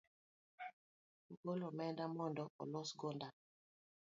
Ogol omenda mondo olos go nda